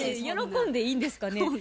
喜んでいいんですかね？